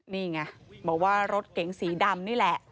นี่ไงเดี๋ยวแบบว่ารถเก่งสีดำนี่แหละ